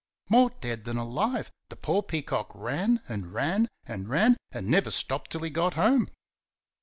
More dead than alive, the poor Peacock ran and ran and ran, and never stopped till he got home.